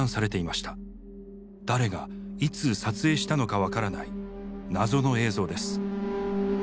誰がいつ撮影したのか分からない謎の映像です。